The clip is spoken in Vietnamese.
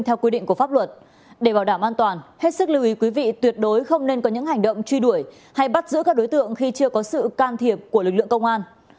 theo quy định của pháp luật để bảo đảm an toàn hết sức lưu ý quý vị tuyệt đối không nên có những hành động truy đuổi hay bắt giữ các đối tượng khi chưa có sự can thiệp của lực lượng công an